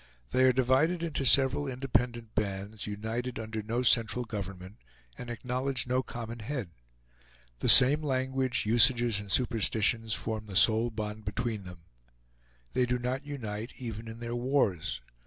They are divided into several independent bands, united under no central government, and acknowledge no common head. The same language, usages, and superstitions form the sole bond between them. They do not unite even in their wars.